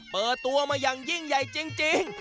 เปิดตัวมาอย่างยิ่งใหญ่จริง